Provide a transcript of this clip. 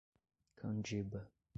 Candiba